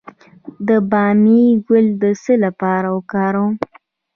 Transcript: د بامیې ګل د څه لپاره وکاروم؟